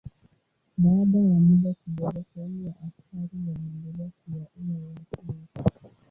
Baada ya muda kidogo sehemu ya askari waliendelea kuwaua watu wote.